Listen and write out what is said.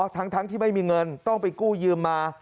ทั้งที่ไม่มีเงินต้องไปกู้ยืมมา